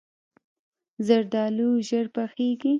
زردالو ژر پخیږي.